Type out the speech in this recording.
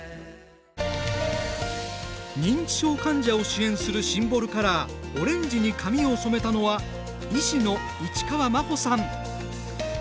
認知症患者を支援するシンボルカラーオレンジに髪を染めたのは医師の市川万邦さん。